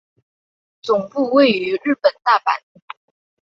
总部位于日本大阪。